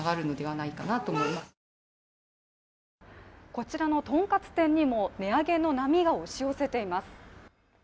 こちらのとんかつ店にも値上げの波が押し寄せています。